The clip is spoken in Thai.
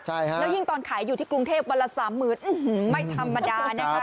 แล้วยิ่งตอนขายอยู่ที่กรุงเทพฯวันละสามหมื่นอื้อหือไม่ธรรมดานะคะ